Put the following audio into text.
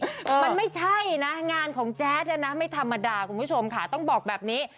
มันไม่ใช่นะงานของแจ๊ดเนี่ยนะไม่ธรรมดาคุณผู้ชมค่ะต้องบอกแบบนี้